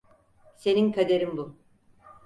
Senin kaderin bu.